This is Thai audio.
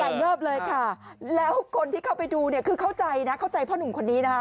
แต่เงิบเลยค่ะแล้วคนที่เข้าไปดูเนี่ยคือเข้าใจนะเข้าใจพ่อหนุ่มคนนี้นะคะ